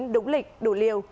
đúng lịch đủ liều